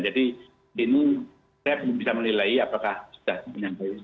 jadi ini saya pun bisa menilai apakah sudah menangkai